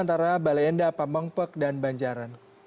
antara balai endah pambang pek dan banjaran